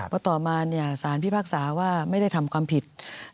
เพราะต่อมาสารพิพากษาว่าไม่ได้ทำความผิด